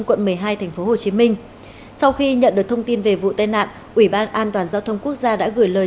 quận một mươi hai tp hcm sau khi nhận được thông tin về vụ tai nạn ủy ban an toàn giao thông quốc gia đã gửi lời